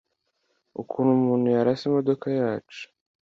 ukuntu umuntu yarasa imodoka yacu